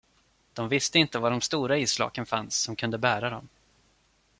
De visste inte var de stora isflaken fanns, som kunde bära dem.